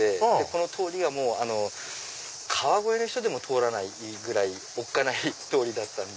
この通りが川越の人でも通らないおっかない通りだったんで。